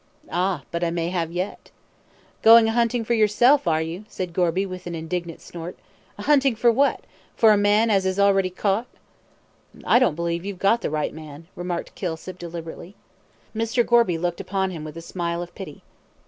"Ah! but I may have yet." "Going a hunting yourself, are you?" said Gorby, with an indignant snort. "A hunting for what for a man as is already caught?" "I don't believe you've got the right man," remarked Kilsip, deliberately. Mr. Gorby looked upon him with a smile of pity.